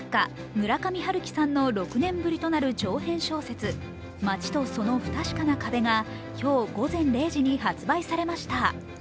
村上春樹さんの６年ぶりとなる長編小説「街とその不確かな壁」が今日午前０時に発売されました。